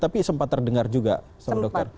tapi sempat terdengar juga sama dokter